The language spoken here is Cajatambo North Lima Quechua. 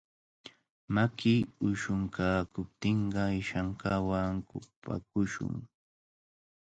Maki ushunkaakuptinqa ishankawan kupakushun.